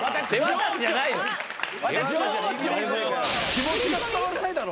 気持ちが伝わらないだろ。